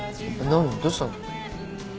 どうしたの？